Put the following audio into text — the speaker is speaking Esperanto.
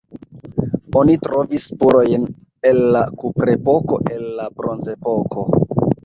Oni trovis spurojn el la kuprepoko, el la bronzepoko.